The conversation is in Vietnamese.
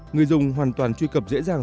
người dùng hoàn toàn truy cập dễ dàng